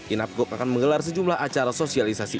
inapgok akan menggelar sejumlah acara sosialisasi